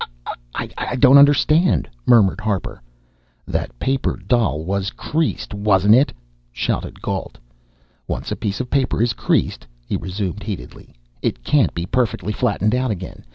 "I I don't understand," murmured Harper. "That paper doll was creased, wasn't it?" shouted Gault. "Once a piece of paper is creased," he resumed heatedly, "it can't be perfectly flattened out again.